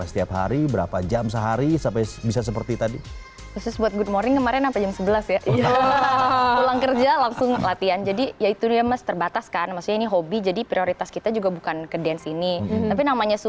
oh iya biar tenang